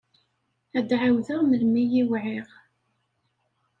Ad d-ɛawdeɣ melmi i wɛiɣ.